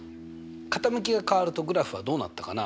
傾きが変わるとグラフはどうなったかな？